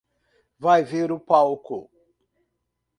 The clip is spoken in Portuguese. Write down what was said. Vai ver o palco